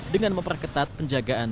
dengan memperketat penjagaan